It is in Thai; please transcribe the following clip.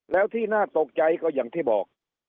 แล้วที่น่าตกใจก็อย่างที่บอก